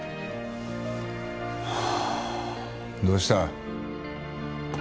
どうした？